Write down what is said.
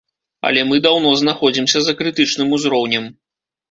Але мы даўно знаходзімся за крытычным узроўнем.